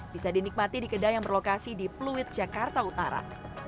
bisa dinikmati di kedai yang berlokasi di pluit jakarta utara